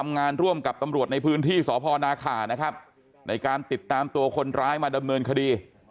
นะครับในการติดตามตัวคนร้ายมาดำเนินคดี